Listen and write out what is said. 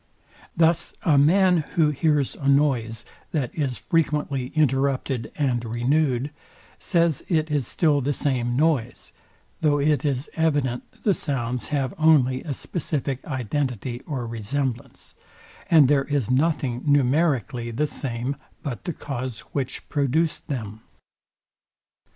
Thus a man, who bears a noise, that is frequently interrupted and renewed, says, it is still the same noise; though it is evident the sounds have only a specific identity or resemblance, and there is nothing numerically the same, but the cause, which produced them.